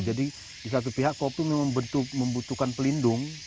jadi di satu pihak kopi memang membutuhkan pelindung